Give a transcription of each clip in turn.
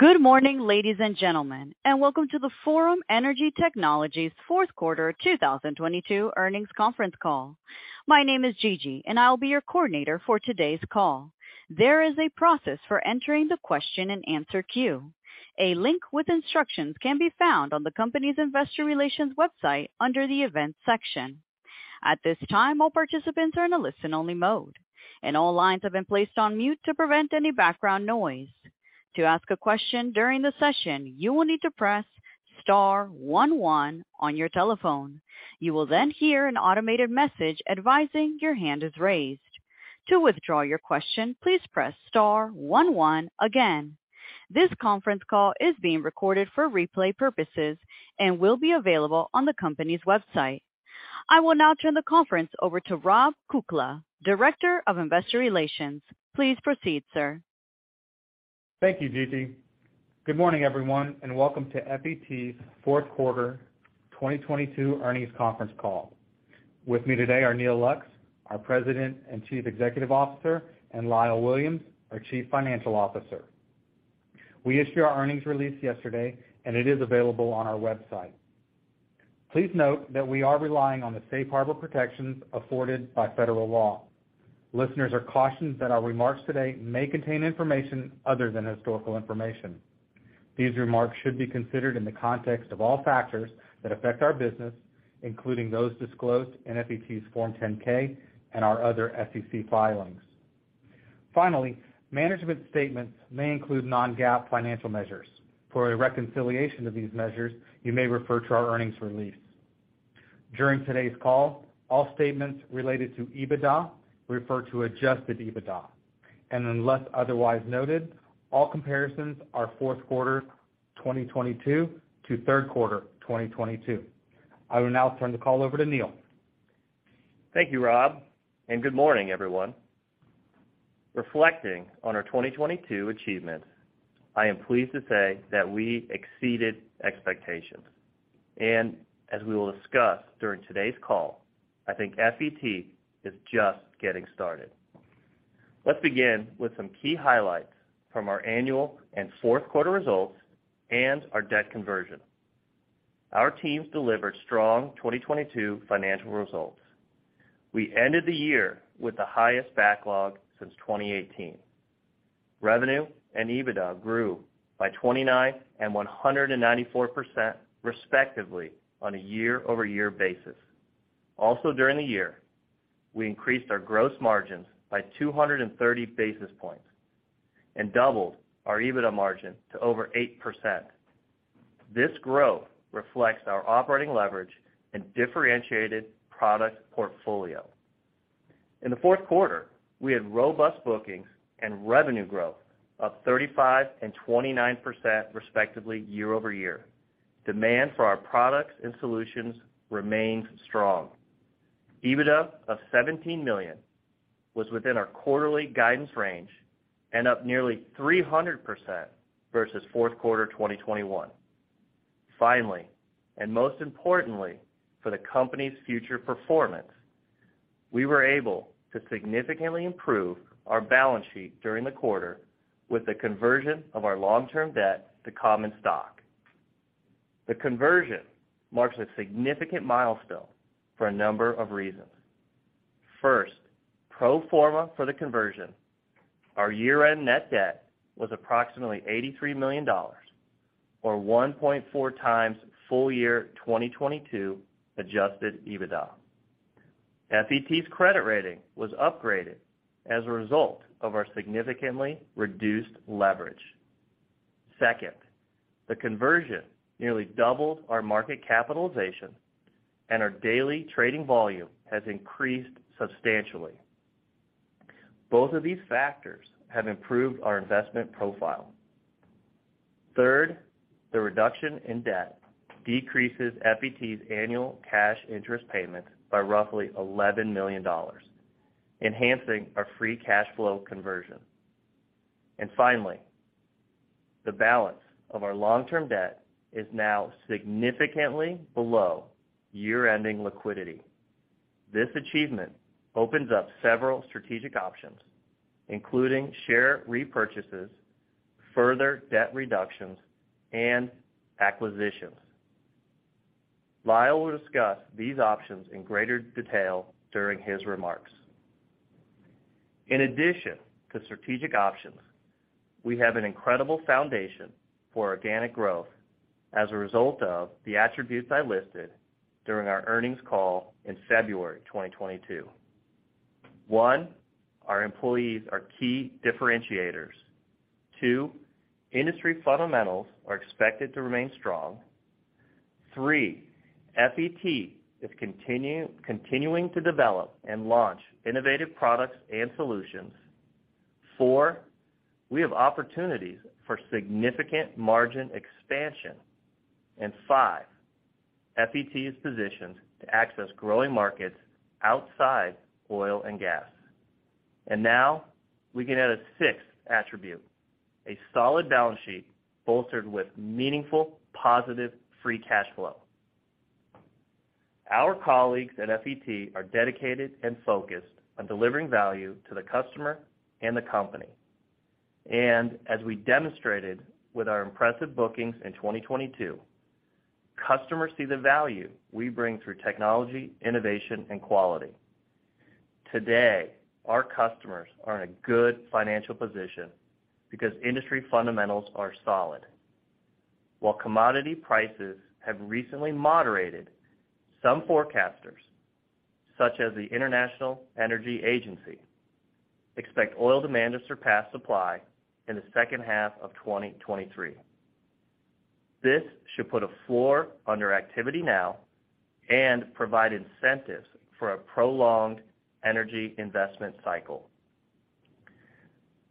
Good morning, ladies and gentlemen, welcome to the Forum Energy Technologies fourth quarter 2022 earnings conference call. My name is Gigi, I'll be your coordinator for today's call. There is a process for entering the question-and-answer queue. A link with instructions can be found on the company's investor relations website under the Events section. At this time, all participants are in a listen-only mode, all lines have been placed on mute to prevent any background noise. To ask a question during the session, you will need to press star one one on your telephone. You will hear an automated message advising your hand is raised. To withdraw your question, please press star one one again. This conference call is being recorded for replay purposes and will be available on the company's website. I will now turn the conference over to Rob Kukla, Director of Investor Relations. Please proceed, sir. Thank you, Gigi. Good morning, everyone, and welcome to FET's fourth quarter 2022 earnings conference call. With me today are Neal Lux, our President and Chief Executive Officer, and Lyle Williams, our Chief Financial Officer. We issued our earnings release yesterday, and it is available on our website. Please note that we are relying on the safe harbor protections afforded by federal law. Listeners are cautioned that our remarks today may contain information other than historical information. These remarks should be considered in the context of all factors that affect our business, including those disclosed in FET's Form 10-K and our other SEC filings. Finally, management statements may include non-GAAP financial measures. For a reconciliation of these measures, you may refer to our earnings release. During today's call, all statements related to EBITDA refer to Adjusted EBITDA. Unless otherwise noted, all comparisons are fourth quarter 2022 to third quarter 2022. I will now turn the call over to Neal. Thank you, Rob. Good morning, everyone. Reflecting on our 2022 achievements, I am pleased to say that we exceeded expectations. As we will discuss during today's call, I think FET is just getting started. Let's begin with some key highlights from our annual and fourth quarter results and our debt conversion. Our teams delivered strong 2022 financial results. We ended the year with the highest backlog since 2018. Revenue and EBITDA grew by 29% and 194% respectively on a year-over-year basis. Also, during the year, we increased our gross margins by 230 basis points and doubled our EBITDA margin to over 8%. This growth reflects our operating leverage and differentiated product portfolio. In the fourth quarter, we had robust bookings and revenue growth of 35% and 29% respectively year-over-year. Demand for our products and solutions remains strong. EBITDA of $17 million was within our quarterly guidance range and up nearly 300% versus fourth quarter 2021. Finally, most importantly for the company's future performance, we were able to significantly improve our balance sheet during the quarter with the conversion of our long-term debt to common stock. The conversion marks a significant milestone for a number of reasons. First, pro forma for the conversion, our year-end net debt was approximately $83 million or 1.4x full year 2022 Adjusted EBITDA. FET's credit rating was upgraded as a result of our significantly reduced leverage. Second, the conversion nearly doubled our market capitalization, our daily trading volume has increased substantially. Both of these factors have improved our investment profile. Third, the reduction in debt decreases FET's annual cash interest payment by roughly $11 million, enhancing our free cash flow conversion. Finally, the balance of our long-term debt is now significantly below year-ending liquidity. This achievement opens up several strategic options, including share repurchases, further debt reductions, and acquisitions. Lyle will discuss these options in greater detail during his remarks. In addition to strategic options, we have an incredible foundation for organic growth as a result of the attributes I listed during our earnings call in February 2022. One, our employees are key differentiators. Two, industry fundamentals are expected to remain strong. Three, FET is continuing to develop and launch innovative products and solutions. Four, we have opportunities for significant margin expansion. Five, FET is positioned to access growing markets outside oil and gas. Now we can add a 6th attribute, a solid balance sheet bolstered with meaningful positive free cash flow. Our colleagues at FET are dedicated and focused on delivering value to the customer and the company. As we demonstrated with our impressive bookings in 2022, customers see the value we bring through technology, innovation and quality. Today, our customers are in a good financial position because industry fundamentals are solid. While commodity prices have recently moderated, some forecasters, such as the International Energy Agency, expect oil demand to surpass supply in the 2nd half of 2023. This should put a floor under activity now and provide incentives for a prolonged energy investment cycle.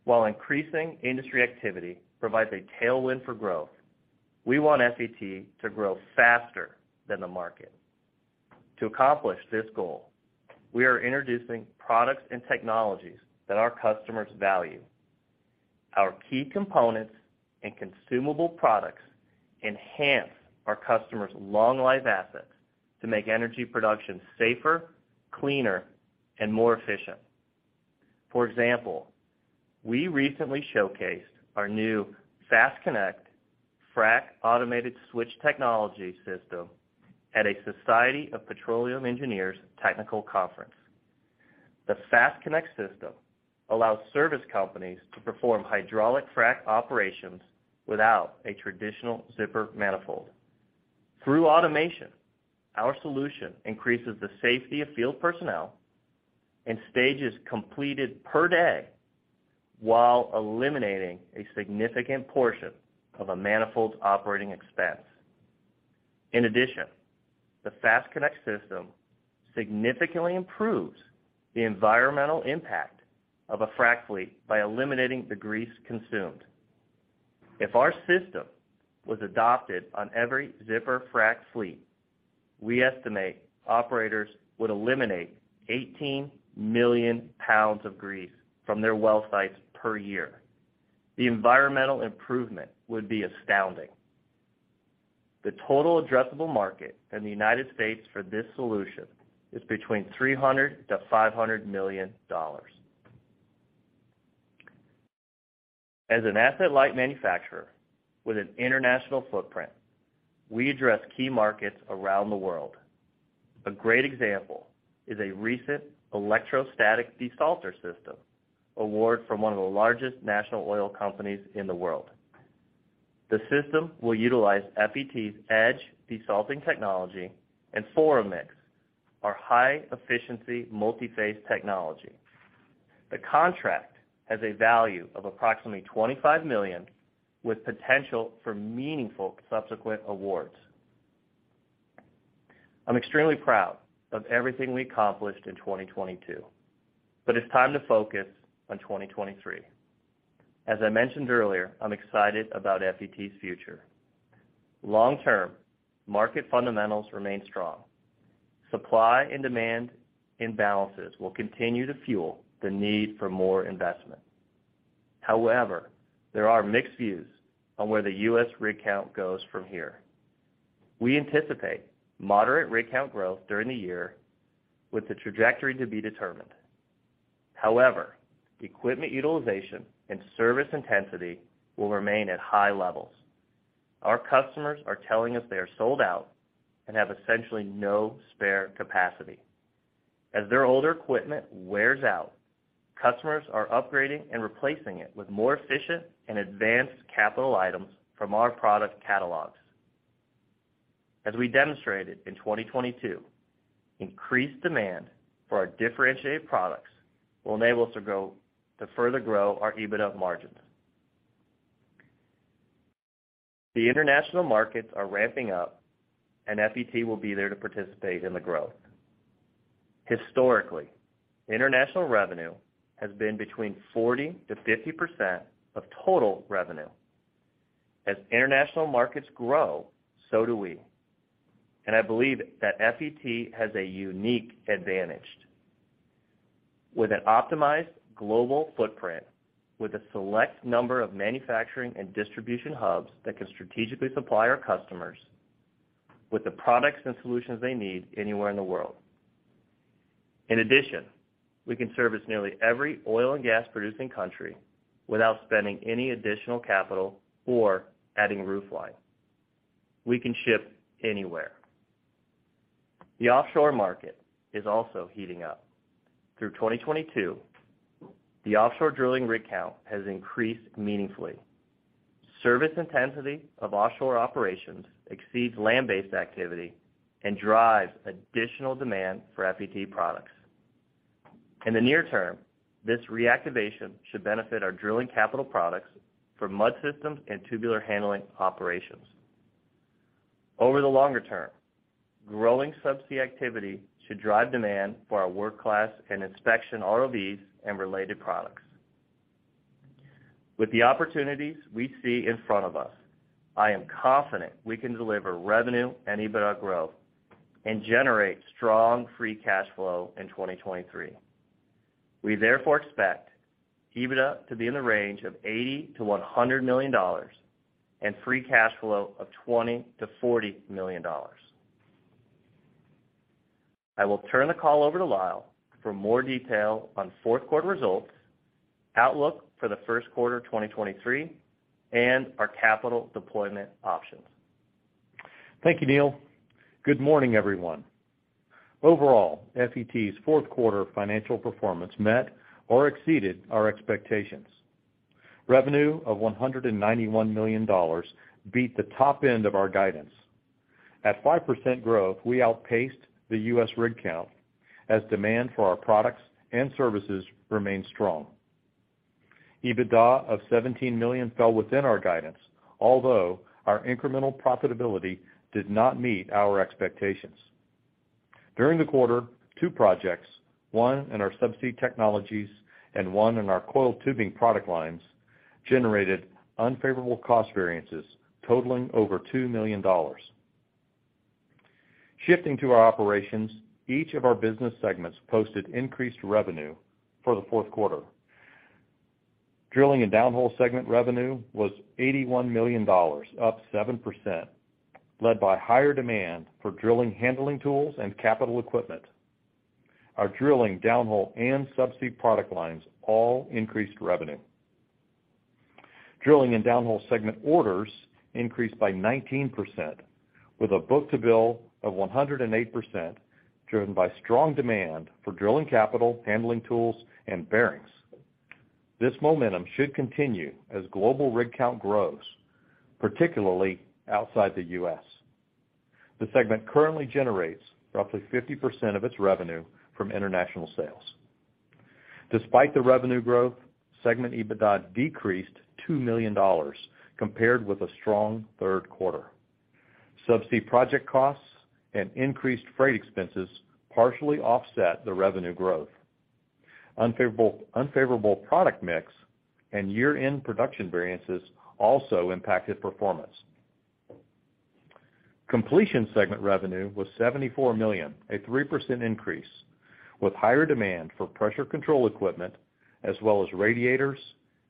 While increasing industry activity provides a tailwind for growth, we want FET to grow faster than the market. To accomplish this goal, we are introducing products and technologies that our customers value. Our key components and consumable products enhance our customers' long life assets to make energy production safer, cleaner and more efficient. For example, we recently showcased our new FASTConnect, Frac Automated Switch Technology system at a Society of Petroleum Engineers technical conference. The FASTConnect system allows service companies to perform hydraulic frac operations without a traditional zipper manifold. Through automation, our solution increases the safety of field personnel and stages completed per day while eliminating a significant portion of a manifold's operating expense. In addition, the FASTConnect system significantly improves the environmental impact of a frac fleet by eliminating the grease consumed. If our system was adopted on every zipper frac fleet, we estimate operators would eliminate 18 million pounds of grease from their well sites per year. The environmental improvement would be astounding. The total addressable market in the United States for this solution is between $300 million-$500 million. As an asset-light manufacturer with an international footprint, we address key markets around the world. A great example is a recent electrostatic desalter system award from one of the largest national oil companies in the world. The system will utilize FET's EDGE Desalting Technology and ForuMix, our high efficiency multiphase technology. The contract has a value of approximately $25 million, with potential for meaningful subsequent awards. I'm extremely proud of everything we accomplished in 2022, but it's time to focus on 2023. As I mentioned earlier, I'm excited about FET's future. Long term, market fundamentals remain strong. Supply and demand imbalances will continue to fuel the need for more investment. However, there are mixed views on where the U.S. rig count goes from here. We anticipate moderate rig count growth during the year with the trajectory to be determined. Equipment utilization and service intensity will remain at high levels. Our customers are telling us they are sold out and have essentially no spare capacity. As their older equipment wears out, customers are upgrading and replacing it with more efficient and advanced capital items from our product catalogs. As we demonstrated in 2022, increased demand for our differentiated products will enable us to further grow our EBITDA margins. The international markets are ramping up. FET will be there to participate in the growth. Historically, international revenue has been between 40%-50% of total revenue. As international markets grow, so do we, and I believe that FET has a unique advantage with an optimized global footprint, with a select number of manufacturing and distribution hubs that can strategically supply our customers with the products and solutions they need anywhere in the world. In addition, we can service nearly every oil and gas producing country without spending any additional capital or adding roof line. We can ship anywhere. The offshore market is also heating up. Through 2022, the offshore drilling rig count has increased meaningfully. Service intensity of offshore operations exceeds land-based activity and drives additional demand for FET products. In the near term, this reactivation should benefit our drilling capital products for mud systems and tubular handling operations. Over the longer term, growing subsea activity should drive demand for our work class and inspection ROVs and related products. With the opportunities we see in front of us, I am confident we can deliver revenue and EBITDA growth and generate strong free cash flow in 2023. We therefore expect EBITDA to be in the range of $80 million-$100 million and free cash flow of $20 million-$40 million. I will turn the call over to Lyle for more detail on fourth quarter results, outlook for the first quarter 2023, and our capital deployment options. Thank you, Neal. Good morning, everyone. Overall, FET's fourth quarter financial performance met or exceeded our expectations. Revenue of $191 million beat the top end of our guidance. At 5% growth, we outpaced the U.S. rig count as demand for our products and services remained strong. EBITDA of $17 million fell within our guidance, although our incremental profitability did not meet our expectations. During the quarter, 2 projects, one in our subsea technologies and one in our coiled tubing product lines, generated unfavorable cost variances totaling over $2 million. Shifting to our operations, each of our business segments posted increased revenue for the fourth quarter. Drilling and downhole segment revenue was $81 million, up 7%, led by higher demand for drilling handling tools and capital equipment. Our drilling, downhole, and subsea product lines all increased revenue. Drilling and downhole segment orders increased by 19% with a book-to-bill of 108%, driven by strong demand for drilling capital, handling tools, and bearings. This momentum should continue as global rig count grows, particularly outside the U.S. The segment currently generates roughly 50% of its revenue from international sales. Despite the revenue growth, segment EBITDA decreased $2 million compared with a strong third quarter. Subsea project costs and increased freight expenses partially offset the revenue growth. Unfavorable product mix and year-end production variances also impacted performance. Completion segment revenue was $74 million, a 3% increase, with higher demand for pressure control equipment as well as radiators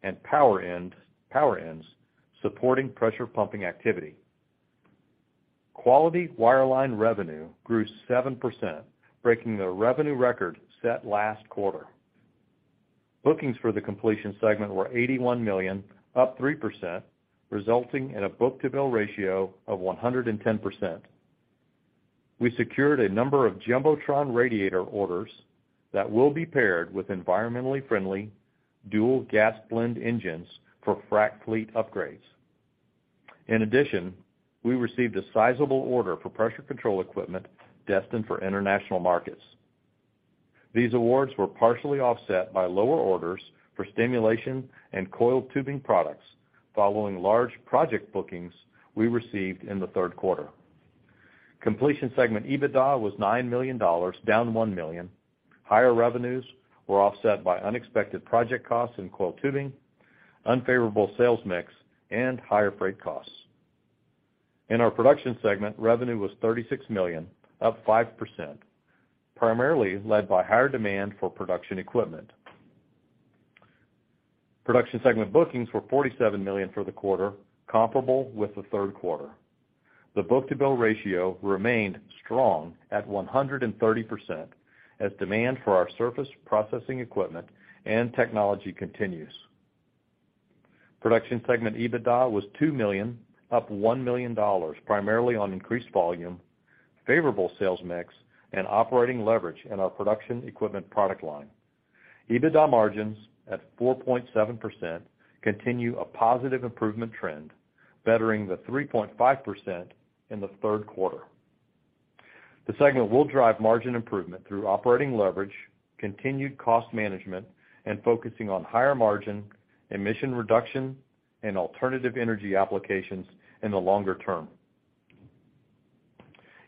and power ends supporting pressure pumping activity. Quality wireline revenue grew 7%, breaking the revenue record set last quarter. Bookings for the completion segment were $81 million, up 3%, resulting in a book-to-bill ratio of 110%. We secured a number of Jumbotron radiator orders that will be paired with environmentally friendly dual gas blend engines for frac fleet upgrades. We received a sizable order for pressure control equipment destined for international markets. These awards were partially offset by lower orders for stimulation and coiled tubing products following large project bookings we received in the third quarter. Completion segment EBITDA was $9 million, down $1 million. Higher revenues were offset by unexpected project costs in coiled tubing, unfavorable sales mix, and higher freight costs. In our production segment, revenue was $36 million, up 5%, primarily led by higher demand for production equipment. Production segment bookings were $47 million for the quarter, comparable with the third quarter. The book-to-bill ratio remained strong at 130% as demand for our surface processing equipment and technology continues. Production segment EBITDA was $2 million, up $1 million, primarily on increased volume, favorable sales mix, and operating leverage in our production equipment product line. EBITDA margins at 4.7% continue a positive improvement trend, bettering the 3.5% in the third quarter. The segment will drive margin improvement through operating leverage, continued cost management, and focusing on higher margin, emission reduction, and alternative energy applications in the longer term.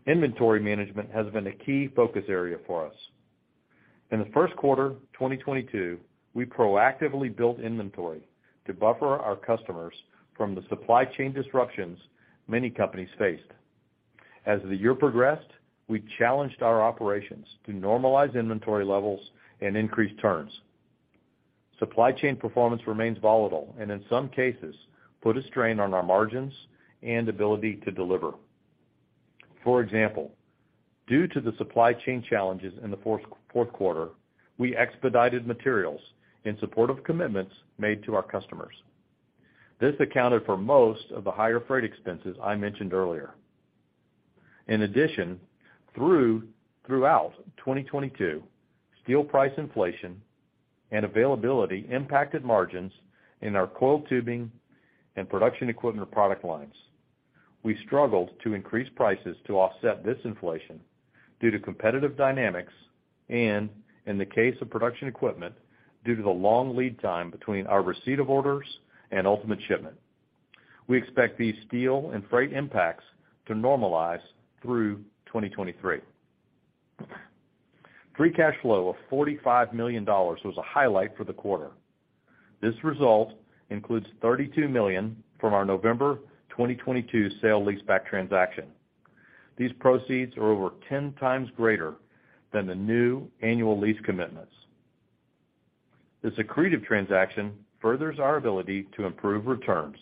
Inventory management has been a key focus area for us. In the first quarter 2022, we proactively built inventory to buffer our customers from the supply chain disruptions many companies faced. As the year progressed, we challenged our operations to normalize inventory levels and increase turns. Supply chain performance remains volatile, and in some cases, put a strain on our margins and ability to deliver. For example, due to the supply chain challenges in the fourth quarter, we expedited materials in support of commitments made to our customers. This accounted for most of the higher freight expenses I mentioned earlier. Throughout 2022, steel price inflation and availability impacted margins in our coiled tubing and production equipment product lines. We struggled to increase prices to offset this inflation due to competitive dynamics and, in the case of production equipment, due to the long lead time between our receipt of orders and ultimate shipment. We expect these steel and freight impacts to normalize through 2023. Free cash flow of $45 million was a highlight for the quarter. This result includes $32 million from our November 2022 sale leaseback transaction. These proceeds are over 10x greater than the new annual lease commitments. This accretive transaction furthers our ability to improve returns.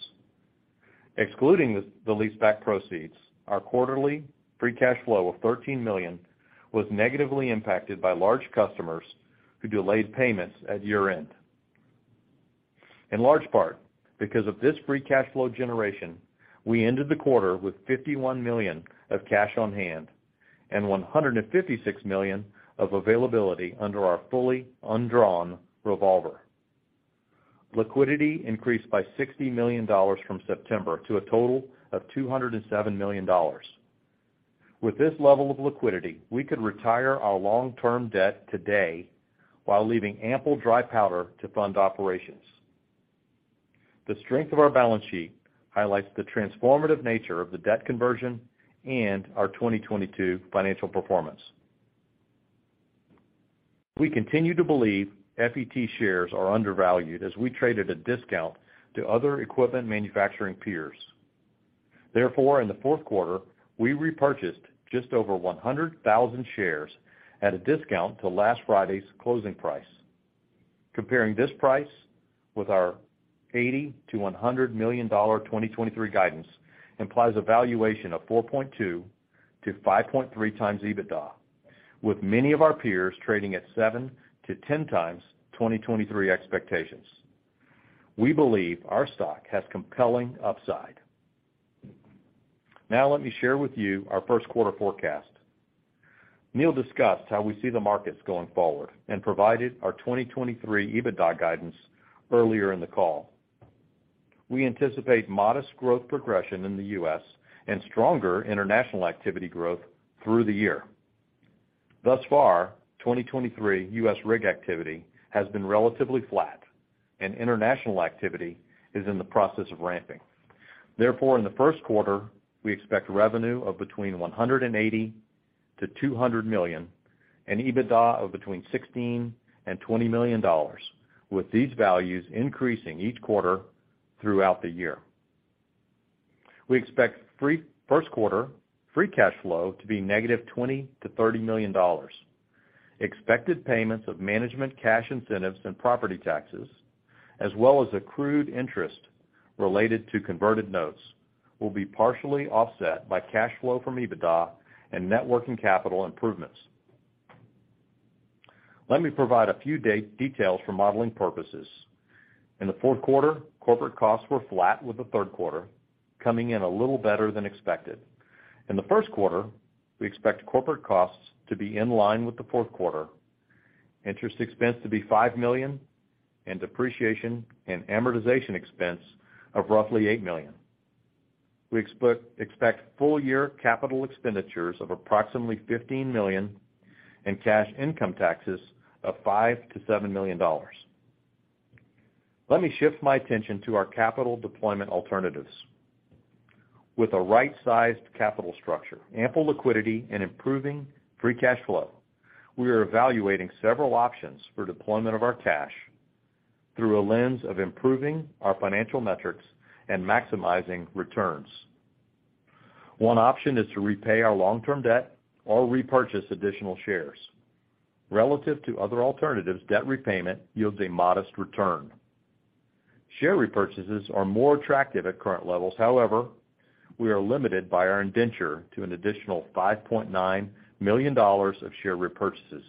Excluding the leaseback proceeds, our quarterly free cash flow of $13 million was negatively impacted by large customers who delayed payments at year-end. In large part, because of this free cash flow generation, we ended the quarter with $51 million of cash on hand and $156 million of availability under our fully undrawn revolver. Liquidity increased by $60 million from September to a total of $207 million. With this level of liquidity, we could retire our long-term debt today while leaving ample dry powder to fund operations. The strength of our balance sheet highlights the transformative nature of the debt conversion and our 2022 financial performance. We continue to believe FET shares are undervalued as we trade at a discount to other equipment manufacturing peers. Therefore, in the fourth quarter, we repurchased just over 100,000 shares at a discount to last Friday's closing price. Comparing this price with our $80 million-$100 million 2023 guidance implies a valuation of 4.2x-5.3x EBITDA, with many of our peers trading at 7x-10x 2023 expectations. We believe our stock has compelling upside. Let me share with you our first quarter forecast. Neal discussed how we see the markets going forward and provided our 2023 EBITDA guidance earlier in the call. We anticipate modest growth progression in the US and stronger international activity growth through the year. Thus far, 2023 U.S. rig activity has been relatively flat, and international activity is in the process of ramping. Therefore, in the first quarter, we expect revenue of between $180 million-$200 million and EBITDA of between $16 million-$20 million, with these values increasing each quarter throughout the year. We expect first quarter free cash flow to be -$20 million to -$30 million. Expected payments of management cash incentives and property taxes, as well as accrued interest related to converted notes, will be partially offset by cash flow from EBITDA and net working capital improvements. Let me provide a few details for modeling purposes. In the fourth quarter, corporate costs were flat with the third quarter, coming in a little better than expected. In the first quarter, we expect corporate costs to be in line with the fourth quarter, interest expense to be $5 million, and depreciation and amortization expense of roughly $8 million. We expect full year capital expenditures of approximately $15 million and cash income taxes of $5 million-$7 million. Let me shift my attention to our capital deployment alternatives. With a right-sized capital structure, ample liquidity, and improving free cash flow, we are evaluating several options for deployment of our cash through a lens of improving our financial metrics and maximizing returns. One option is to repay our long-term debt or repurchase additional shares. Relative to other alternatives, debt repayment yields a modest return. Share repurchases are more attractive at current levels. However, we are limited by our indenture to an additional $5.9 million of share repurchases.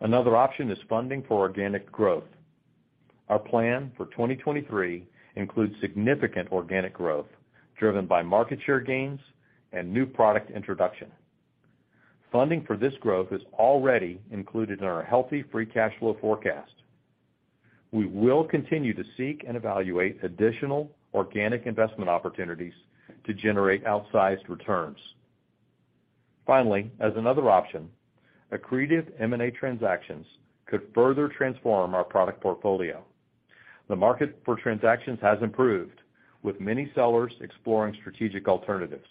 Another option is funding for organic growth. Our plan for 2023 includes significant organic growth driven by market share gains and new product introduction. Funding for this growth is already included in our healthy free cash flow forecast. We will continue to seek and evaluate additional organic investment opportunities to generate outsized returns. As another option, accretive M&A transactions could further transform our product portfolio. The market for transactions has improved, with many sellers exploring strategic alternatives.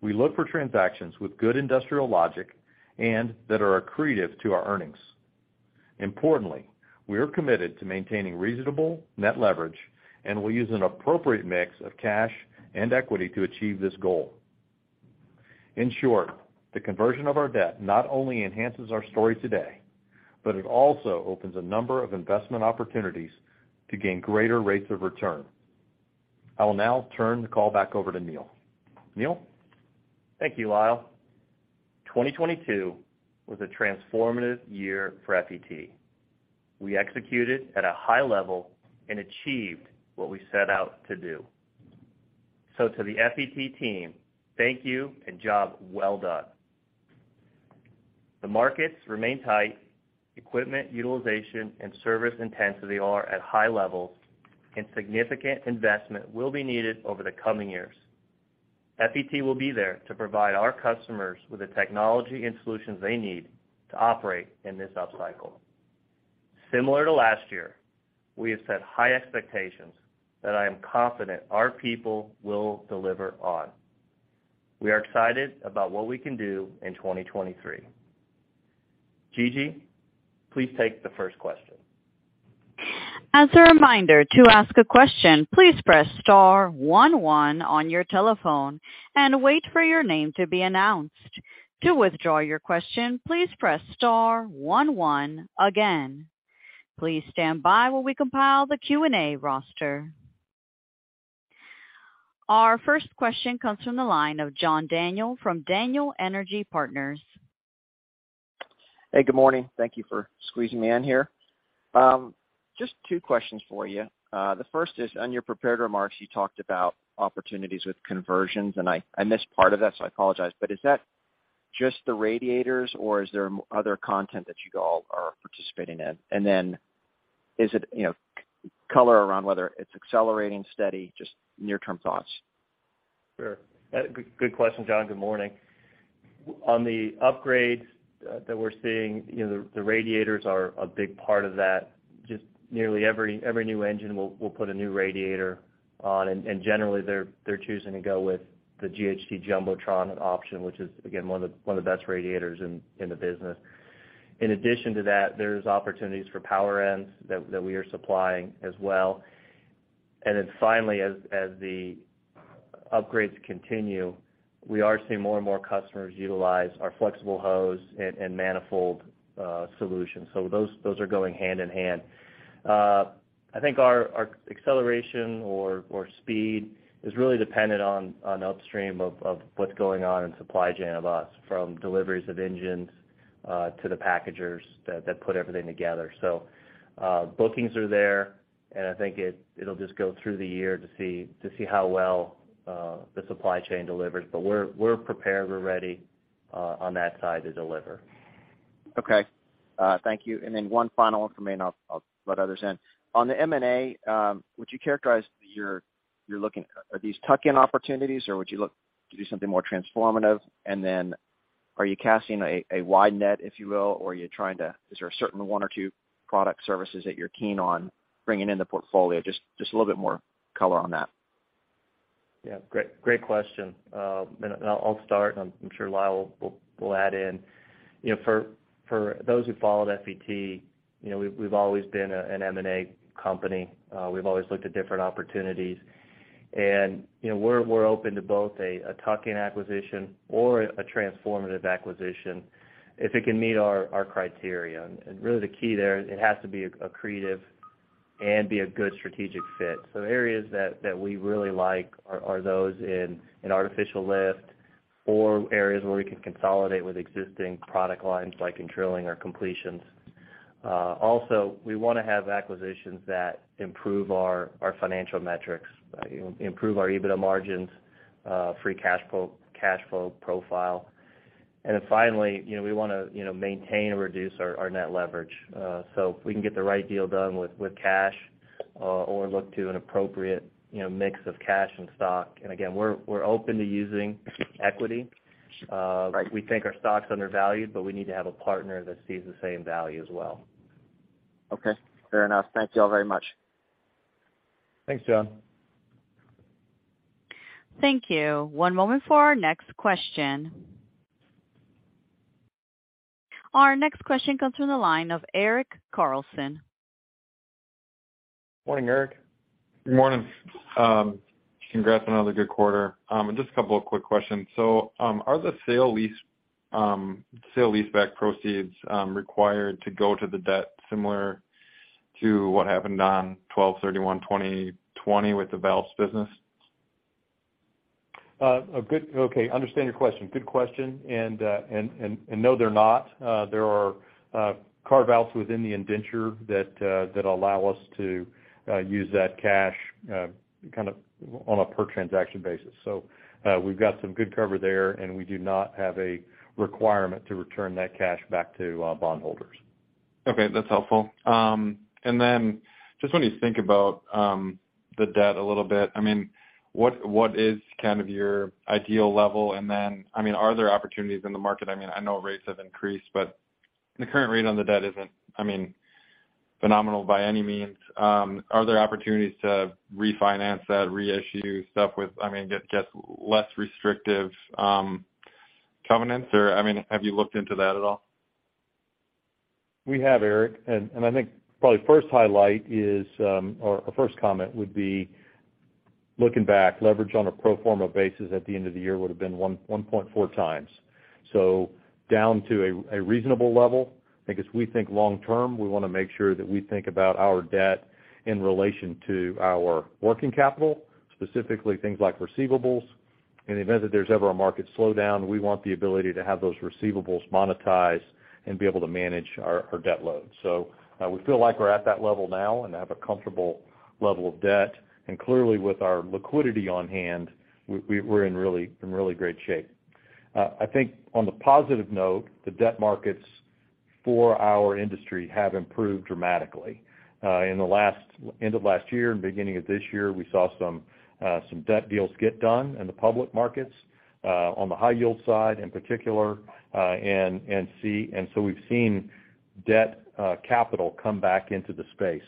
We look for transactions with good industrial logic and that are accretive to our earnings. We are committed to maintaining reasonable net leverage and will use an appropriate mix of cash and equity to achieve this goal. The conversion of our debt not only enhances our story today, but it also opens a number of investment opportunities to gain greater rates of return. I will now turn the call back over to Neal. Neal? Thank you, Lyle. 2022 was a transformative year for FET. We executed at a high level and achieved what we set out to do. To the FET team, thank you, and job well done. The markets remain tight. Equipment utilization and service intensity are at high levels, and significant investment will be needed over the coming years. FET will be there to provide our customers with the technology and solutions they need to operate in this upcycle. Similar to last year, we have set high expectations that I am confident our people will deliver on. We are excited about what we can do in 2023. Gigi, please take the first question. As a reminder, to ask a question, please press star one one on your telephone and wait for your name to be announced. To withdraw your question, please press star one one again. Please stand by while we compile the Q&A roster. Our first question comes from the line of John Daniel from Daniel Energy Partners. Hey, Good morning. Thank you for squeezing me in here. Just two questions for you. The first is, on your prepared remarks, you talked about opportunities with conversions, I missed part of that, so I apologize. Is that just the radiators, or is there other content that you all are participating in? Then is it, you know, color around whether it's accelerating, steady, just near-term thoughts? Sure. Good question, John. Good morning. On the upgrades that we're seeing, you know, the radiators are a big part of that. Just nearly every new engine we'll put a new radiator on, and generally they're choosing to go with the GHT Jumbotron option, which is, again, one of the best radiators in the business. In addition to that, there's opportunities for power ends that we are supplying as well. Then finally, as the upgrades continue, we are seeing more and more customers utilize our flexible hose and manifold solutions. Those are going hand in hand. I think our acceleration or speed is really dependent on upstream of what's going on in supply chain of us, from deliveries of engines, to the packagers that put everything together. Bookings are there, and I think it'll just go through the year to see how well the supply chain delivers. We're prepared, we're ready, on that side to deliver. Okay. Thank you. One final one for me, and I'll let others in. On the M&A, would you characterize you're looking at? Are these tuck-in opportunities, or would you look to do something more transformative? Are you casting a wide net, if you will, or are you trying to, is there a certain one or two product services that you're keen on bringing in the portfolio? Just a little bit more color on that. Yeah. Great, great question. I'll start, and I'm sure Lyle will add in. You know, for those who followed FET, you know, we've always been an M&A company. We've always looked at different opportunities. You know, we're open to both a tuck-in acquisition or a transformative acquisition if it can meet our criteria. Really the key there, it has to be accretive and be a good strategic fit. Areas that we really like are those in an artificial lift or areas where we can consolidate with existing product lines, like in drilling or completions. We wanna have acquisitions that improve our financial metrics, improve our EBITDA margins, free cash flow, cash flow profile. Finally, you know, we wanna, you know, maintain or reduce our net leverage. If we can get the right deal done with cash, or look to an appropriate, you know, mix of cash and stock. Again, we're open to using equity. Right. We think our stock's undervalued, we need to have a partner that sees the same value as well. Okay, fair enough. Thank you all very much. Thanks, John. Thank you. One moment for our next question. Our next question comes from the line of Eric Carlson. Morning, Eric. Good morning. Congrats on another good quarter. Just a couple of quick questions. Are the sale leaseback proceeds required to go to the debt similar to what happened on 12/31/2020 with the valves business? Okay, understand your question. Good question. No, they're not. There are carve-outs within the indenture that allow us to use that cash kind of on a per transaction basis. We've got some good cover there, and we do not have a requirement to return that cash back to bondholders. Okay, that's helpful. Just when you think about the debt a little bit, what is kind of your ideal level? Are there opportunities in the market? I know rates have increased, but the current rate on the debt isn't phenomenal by any means. Are there opportunities to refinance that, reissue stuff with, get less restrictive covenants, or have you looked into that at all? We have, Eric, and I think probably first highlight is, or our first comment would be, looking back, leverage on a pro forma basis at the end of the year would have been 1.4x. Down to a reasonable level. I guess we think long term, we wanna make sure that we think about our debt in relation to our working capital, specifically things like receivables. In the event that there's ever a market slowdown, we want the ability to have those receivables monetized and be able to manage our debt load. We feel like we're at that level now and have a comfortable level of debt. Clearly, with our liquidity on hand, we're in really great shape. I think on the positive note, the debt markets for our industry have improved dramatically. In the end of last year and beginning of this year, we saw some debt deals get done in the public markets on the high yield side in particular. We've seen debt capital come back into the space.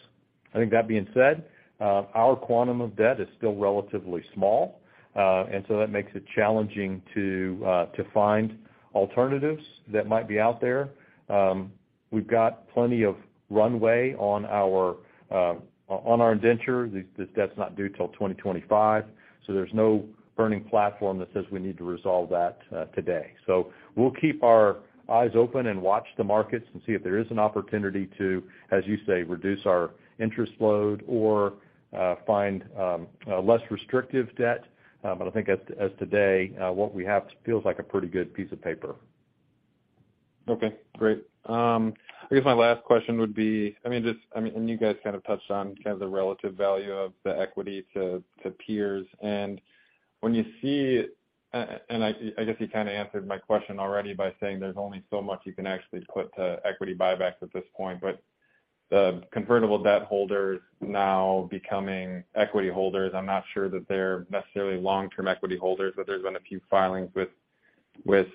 I think that being said, our quantum of debt is still relatively small, and so that makes it challenging to find alternatives that might be out there. We've got plenty of runway on our on our indenture. This debt's not due till 2025, so there's no burning platform that says we need to resolve that today. We'll keep our eyes open and watch the markets and see if there is an opportunity to, as you say, reduce our interest load or find a less restrictive debt. I think as today, what we have feels like a pretty good piece of paper. Okay, great. I guess my last question would be. I mean, and you guys kind of touched on kind of the relative value of the equity to peers. When you see. I guess you kind of answered my question already by saying there's only so much you can actually put to equity buyback at this point. The convertible debt holders now becoming equity holders, I'm not sure that they're necessarily long-term equity holders, but there's been a few filings with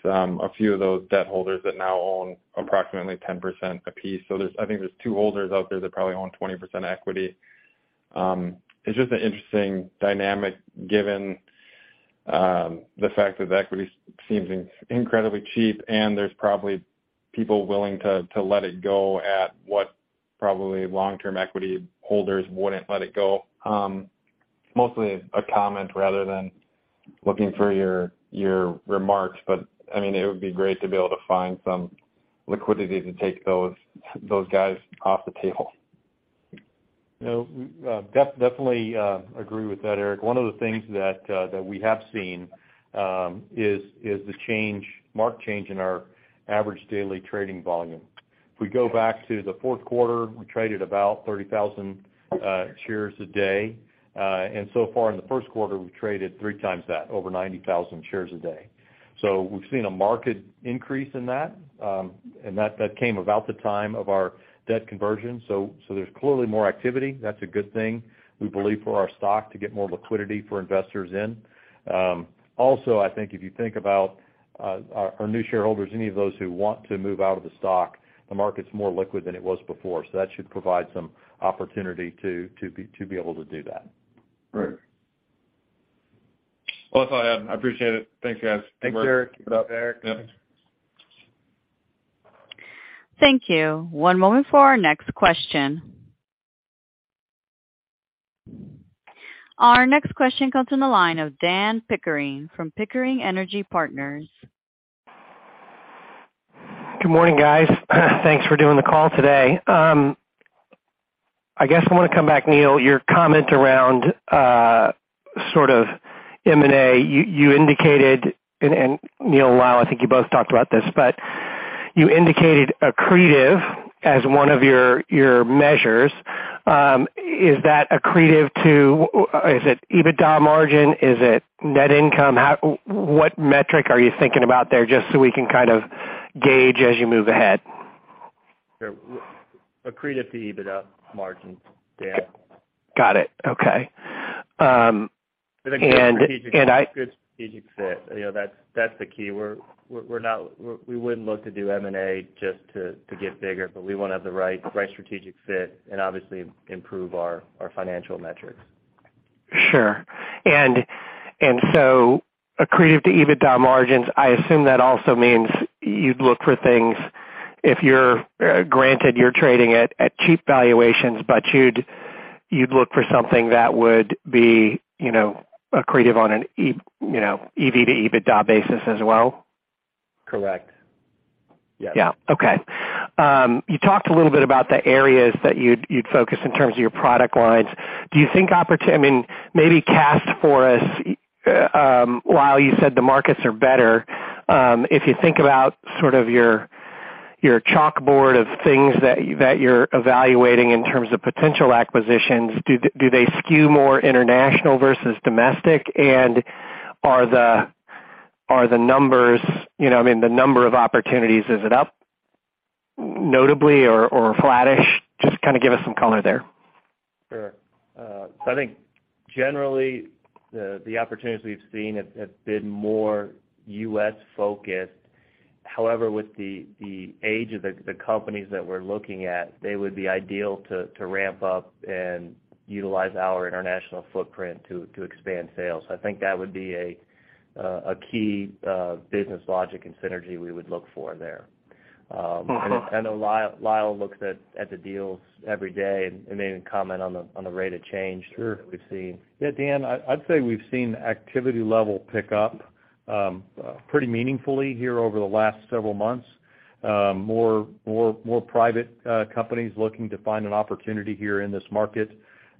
a few of those debt holders that now own approximately 10% apiece. There's I think there's two holders out there that probably own 20% equity. It's just an interesting dynamic given the fact that the equity seems incredibly cheap, and there's probably people willing to let it go at what probably long-term equity holders wouldn't let it go. Mostly a comment rather than looking for your remarks. I mean, it would be great to be able to find some liquidity to take those guys off the table. No, we definitely agree with that, Eric. One of the things that we have seen is the marked change in our average daily trading volume. If we go back to the fourth quarter, we traded about 30,000 shares a day. So far in the first quarter, we've traded 3x that, over 90,000 shares a day. We've seen a marked increase in that, and that came about the time of our debt conversion. There's clearly more activity. That's a good thing, we believe, for our stock to get more liquidity for investors in. I think if you think about, our new shareholders, any of those who want to move out of the stock, the market's more liquid than it was before, so that should provide some opportunity to be able to do that. Great. That's all I have. I appreciate it. Thanks, guys. Thanks, Eric. Yep. Thank you. One moment for our next question. Our next question comes in the line of Dan Pickering from Pickering Energy Partners. Good morning, guys. Thanks for doing the call today. I guess I wanna come back, Neal, your comment around sort of M&A. You indicated, and Neal Lux, I think you both talked about this, but you indicated accretive as one of your measures. Is that accretive to, is it EBITDA margin? Is it net income? What metric are you thinking about there, just so we can kind of gauge as you move ahead? Sure. Accretive to EBITDA margins, Dan. Got it. Okay. Good strategic fit. You know, that's the key. We wouldn't look to do M&A just to get bigger, but we wanna have the right strategic fit and obviously improve our financial metrics. Sure. So accretive to EBITDA margins, I assume that also means you'd look for things if you're granted, you're trading at cheap valuations, but you'd look for something that would be, you know, accretive on an EV to EBITDA basis as well? Correct. Yes. Yeah. Okay. You talked a little bit about the areas that you'd focus in terms of your product lines. Do you think I mean, maybe cast for us, while you said the markets are better, if you think about sort of your chalkboard of things that you're evaluating in terms of potential acquisitions, do they skew more international versus domestic? Are the numbers, you know, I mean, the number of opportunities, is it up notably or flattish? Just kinda give us some color there. Sure. I think generally the opportunities we've seen have been more U.S.-focused. However, with the age of the companies that we're looking at, they would be ideal to ramp up and utilize our international footprint to expand sales. I think that would be a key business logic and synergy we would look for there. Uh-huh. I know Lyle looks at the deals every day and may even comment on the rate of change. Sure. That we've seen. Yeah, Dan, I'd say we've seen activity level pick up pretty meaningfully here over the last several months. More private companies looking to find an opportunity here in this market.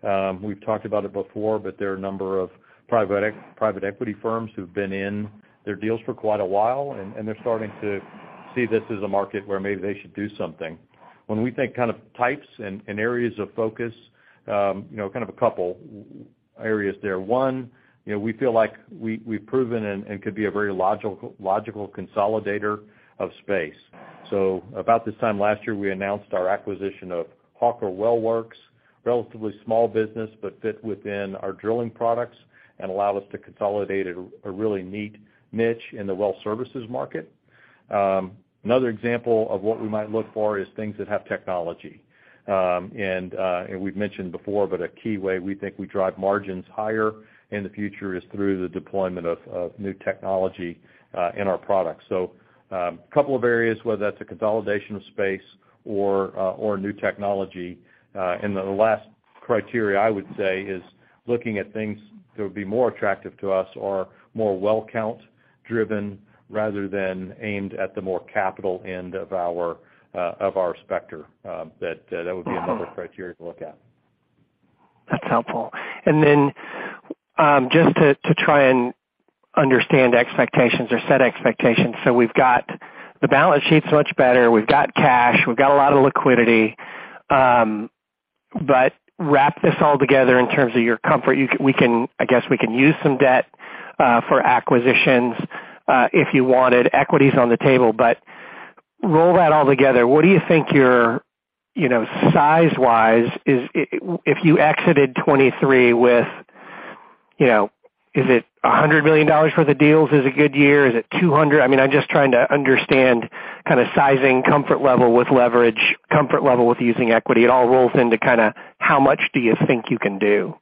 There are a number of private equity firms who've been in their deals for quite a while, and they're starting to see this as a market where maybe they should do something. When we think kind of types and areas of focus, you know, kind of a couple areas there. One, you know, we feel like we've proven and could be a very logical consolidator of space. About this time last year, we announced our acquisition of Hawker Well Works, relatively small business, but fit within our drilling products and allow us to consolidate a really neat niche in the well services market. Another example of what we might look for is things that have technology. We've mentioned before, but a key way we think we drive margins higher in the future is through the deployment of new technology in our products. A couple of areas, whether that's a consolidation of space or new technology. The last criteria I would say is looking at things that would be more attractive to us are more well count driven rather than aimed at the more capital end of our specter. That would be another criteria to look at. That's helpful. Then, just to try and understand expectations or set expectations. We've got the balance sheet's much better. We've got cash. We've got a lot of liquidity. Wrap this all together in terms of your comfort. You we can I guess we can use some debt for acquisitions if you wanted. Equity's on the table. Roll that all together, what do you think your, you know, size-wise is, if you exited 2023 with, you know, is it $100 million for the deals is a good year? Is it $200 million? I mean, I'm just trying to understand kinda sizing, comfort level with leverage, comfort level with using equity. It all rolls into kinda how much do you think you can do?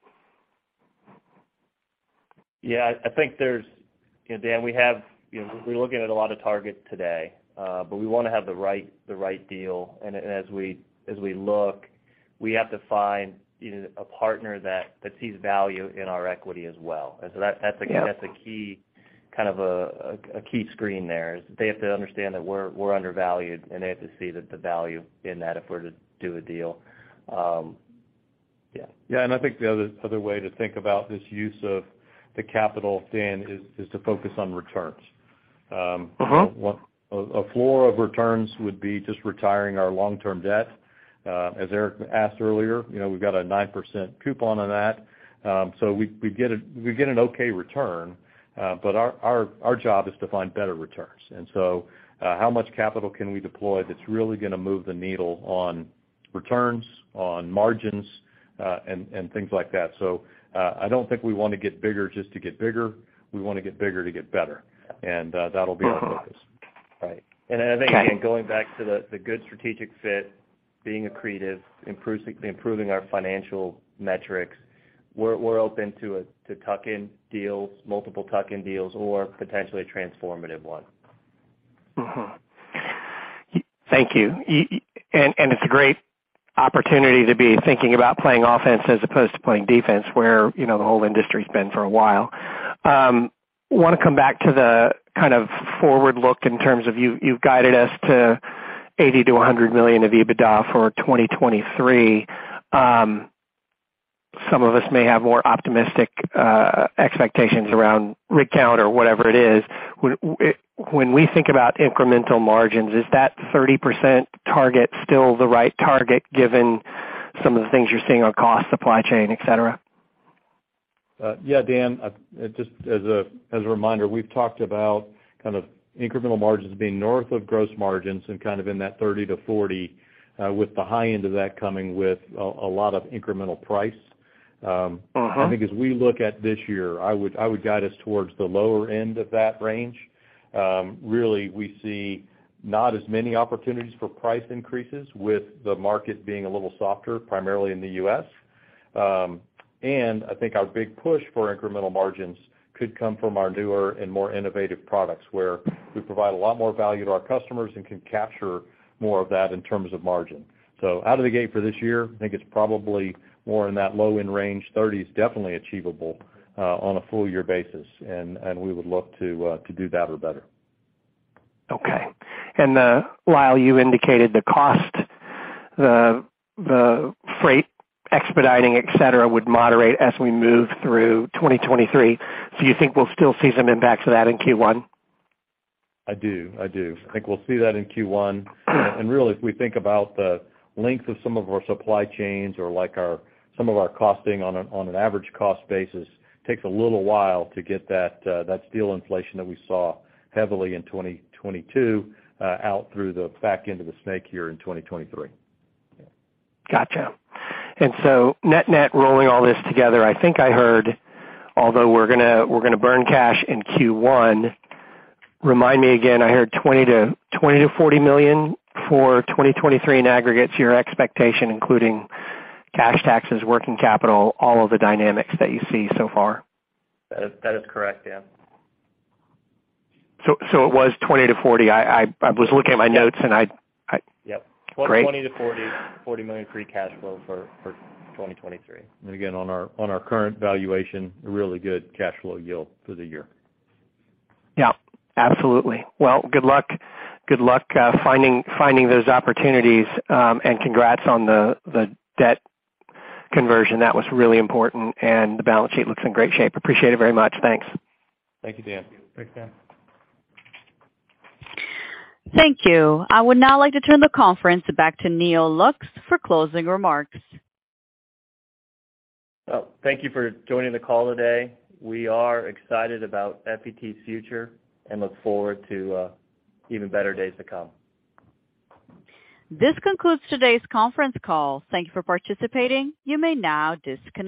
Yeah. I think there's. You know, Dan, we have, you know, we're looking at a lot of targets today, we wanna have the right deal. As we look, we have to find, you know, a partner that sees value in our equity as well. Yeah That's a key, kind of a key screen there, is they have to understand that we're undervalued, and they have to see that the value in that if we're to do a deal. Yeah. Yeah. I think the other way to think about this use of the capital, Dan, is to focus on returns. Mm-hmm. A floor of returns would be just retiring our long-term debt. As Eric asked earlier, you know, we've got a 9% coupon on that, so we get a, we get an okay return, but our job is to find better returns. How much capital can we deploy that's really gonna move the needle on returns, on margins, and things like that. I don't think we wanna get bigger just to get bigger. We wanna get bigger to get better, that'll be our focus. Right. I think, again, going back to the good strategic fit, being accretive, improving our financial metrics, we're open to tuck-in deals, multiple tuck-in deals, or potentially a transformative one. Mm-hmm. Thank you. And it's a great opportunity to be thinking about playing offense as opposed to playing defense, where, you know, the whole industry's been for a while. Wanna come back to the kind of forward look in terms of you've guided us to $80 million-$100 million of EBITDA for 2023. Some of us may have more optimistic expectations around rig count or whatever it is. When we think about incremental margins, is that 30% target still the right target given some of the things you're seeing on cost, supply chain, et cetera? Yeah, Dan. Just as a reminder, we've talked about kind of incremental margins being north of gross margins and kind of in that 30%-40%, with the high end of that coming with a lot of incremental price. Mm-hmm. I think as we look at this year, I would guide us towards the lower end of that range. Really we see not as many opportunities for price increases with the market being a little softer, primarily in the U.S. I think our big push for incremental margins could come from our newer and more innovative products, where we provide a lot more value to our customers and can capture more of that in terms of margin. Out of the gate for this year, I think it's probably more in that low-end range. 30 is definitely achievable on a full year basis, and we would look to do that or better. Okay. Lyle, you indicated the cost, the freight expediting, et cetera, would moderate as we move through 2023. You think we'll still see some impacts of that in Q1? I do. I think we'll see that in Q1. Really, if we think about the length of some of our supply chains or like some of our costing on an average cost basis, takes a little while to get that steel inflation that we saw heavily in 2022 out through the back end of the snake here in 2023. Gotcha. Net-net, rolling all this together, I think I heard, although we're gonna burn cash in Q1, remind me again, I heard $20 million-$40 million for 2023 in aggregate to your expectation, including cash taxes, working capital, all of the dynamics that you see so far. That is correct, yeah. It was 20 to 40. I was looking at my notes and I. Yep. Great. $20 million-$40 million free cash flow for 2023. Again, on our current valuation, a really good cash flow yield for the year. Yeah, absolutely. Well, good luck. Good luck finding those opportunities. Congrats on the debt conversion. That was really important. The balance sheet looks in great shape. Appreciate it very much. Thanks. Thank you, Dan. Thanks, Dan. Thank you. I would now like to turn the conference back to Neal Lux for closing remarks. Thank you for joining the call today. We are excited about FET's future and look forward to even better days to come. This concludes today's conference call. Thank you for participating. You may now disconnect.